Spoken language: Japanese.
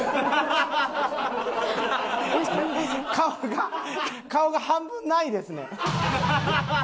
顔が半分ないですね。